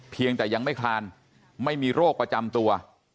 เพียงแต่ยังไม่คลานไม่มีโรคประจำตัว